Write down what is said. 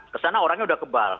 ke sana orangnya sudah kebal